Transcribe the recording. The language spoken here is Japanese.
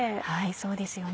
そうですよね